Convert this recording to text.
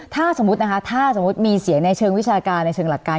ถ้าสมมุติมีเสียงในเชิงวิชาการในเชิงหลักการ